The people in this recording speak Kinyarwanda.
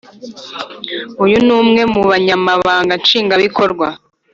Uyu numwe mubanyamabanga nshingabikorwa